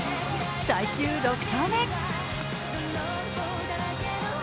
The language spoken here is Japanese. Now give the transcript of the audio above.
最終６投目。